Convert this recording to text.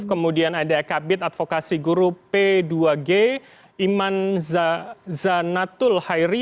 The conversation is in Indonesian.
kemudian ada kabit advokasi guru p dua g iman zanatul hairi